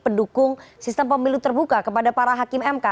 pendukung sistem pemilu terbuka kepada para hakim mk